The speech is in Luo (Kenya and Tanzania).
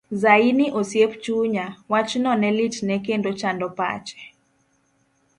Zaini osiep chunya, wachno ne litne kendo chando pache.